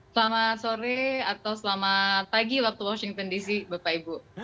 selamat sore atau selamat pagi waktu washington dc bapak ibu